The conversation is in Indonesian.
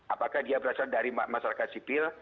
apakah dia berasal dari masyarakat sipil